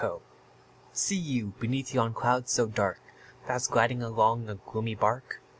See you, beneath yon cloud so dark, Fast gliding along a gloomy bark?